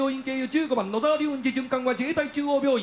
１５番野沢龍雲寺循環は自衛隊中央病院。